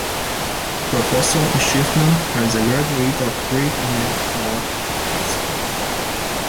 Professor Schiffman was a graduate of Great Neck North High School.